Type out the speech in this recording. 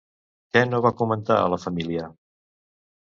Què no va comentar a la família?